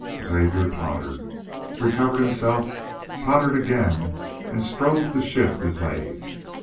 Xavier tottered, recovered himself, tottered again, and strove to shift his leg.